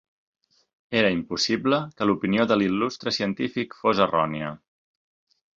Era impossible que l'opinió de l'il·lustre científic fos errònia.